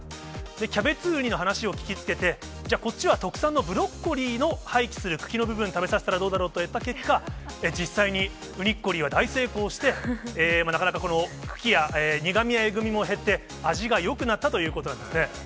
キャベツウニの話を聞きつけて、じゃあ、こっちは特産のブロッコリーの廃棄する茎の部分を食べさせたらどうだろうとやった結果、実際にウニッコリーは大成功して、なかなか茎や、苦みやえぐみも減って、味がよくなったということなんですね。